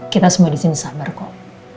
kita semua di sini sabar kok